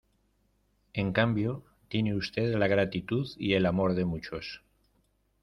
En cambio tiene usted la gratitud y el amor de muchos.